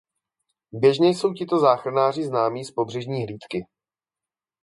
Běžně jsou tito záchranáři známí z pobřežní hlídky.